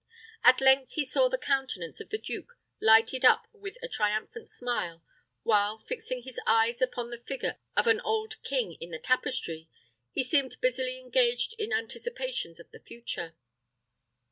At length he saw the countenance of the duke lighted up with a triumphant smile, while, fixing his eyes upon the figure of an old king in the tapestry, he seemed busily engaged in anticipations of the future.